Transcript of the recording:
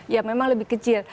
ya memang lebih kecil